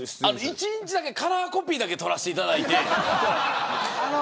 １日だけカラーコピーだけとらせていただいて。